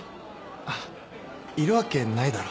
あっいるわけないだろ。